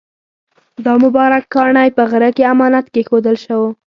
دا مبارک کاڼی په غره کې امانت کېښودل شو.